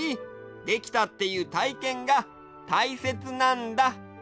「できた」っていうたいけんがたいせつなんだ。